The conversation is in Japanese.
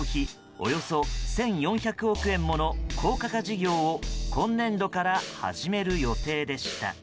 およそ１４００億円もの高架化事業を今年度から始める予定でした。